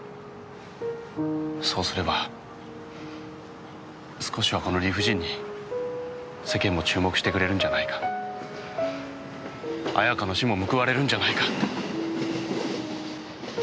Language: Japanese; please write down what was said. そうすれば少しはこの理不尽に世間も注目してくれるんじゃないか綾香の死も報われるんじゃないかって。